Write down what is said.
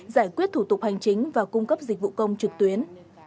giải quyết thủ tục hành chính và cung cấp dịch vụ công trực tuyến